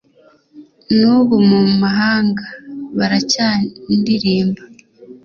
N’ubu mu mahanga baracyandilimba,